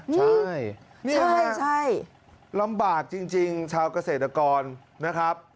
ใช่นี่นะฮะลำบากจริงชาวกเศรษฐกรนะครับ